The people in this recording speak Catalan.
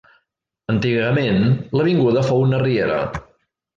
Antigament l'avinguda fou una riera.